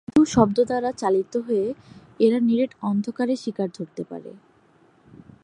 শুধু শব্দ দ্বারা চালিত হয়ে এরা নিরেট অন্ধকারে শিকার ধরতে পারে।